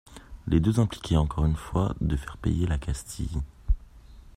Les deux impliquaient encore une fois de faire payer la Castille.